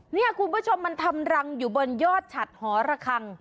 นี่คุณผู้ชมมันทำรังอยู่บนยอดฉัดหอระคัง